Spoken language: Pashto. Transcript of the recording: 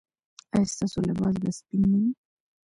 ایا ستاسو لباس به سپین نه وي؟